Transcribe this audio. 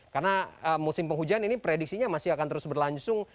karena musim penghujan ini prediksinya masih akan terus berlanjur